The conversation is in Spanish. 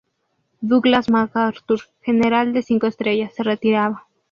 Douglas MacArthur, general de cinco estrellas, se retiraba.